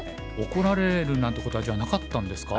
怒られるなんてことはじゃあなかったんですか？